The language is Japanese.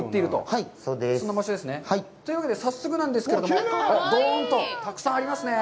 はい、そうです。というわけで、早速なんですけれども、どーんとたくさんありますね。